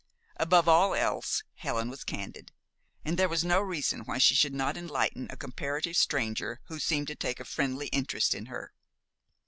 Above all else, Helen was candid, and there was no reason why she should not enlighten a comparative stranger who seemed to take a friendly interest in her.